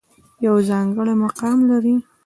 يو ځانګړے مقام لري